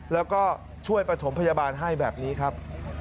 แล้วก็ช่วยประถมพยาบาลให้แบบนี้ครับ